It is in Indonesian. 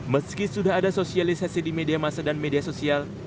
meski sudah ada sosialisasi di media masa dan media sosial